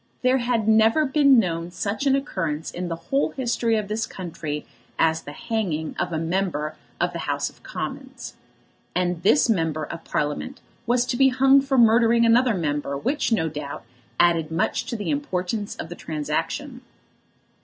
There had never been known such an occurrence in the whole history of this country as the hanging of a member of the House of Commons. And this Member of Parliament was to be hung for murdering another member, which, no doubt, added much to the importance of the transaction.